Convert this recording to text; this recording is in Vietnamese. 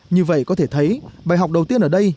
như vậy có thể thấy bài học đầu tiên ở đây